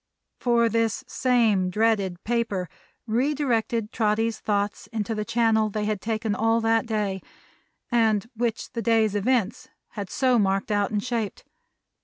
For this same dreaded paper re directed Trotty's thoughts into the channel they had taken all that day, and which the day's events had so marked out and shaped.